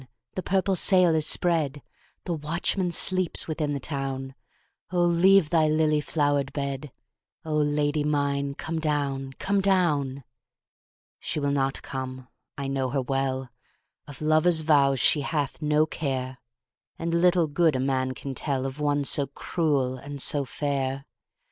the purple sail is spread, The watchman sleeps within the town,O leave thy lily flowered bed,O Lady mine come down, come down! She will not come, I know her well, Of lover's vows she hath no care, And little good a man can tellOf one so cruel and so fair.